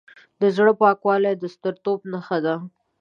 د زړه پاکوالی د سترتوب نښه ده.